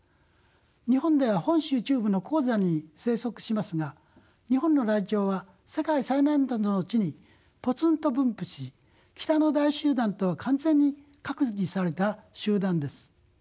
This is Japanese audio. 日本では本州中部の高山に生息しますが日本のライチョウは世界最南端の地にポツンと分布し北の大集団とは完全に隔離された集団です。